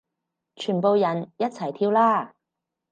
全部人一齊跳啦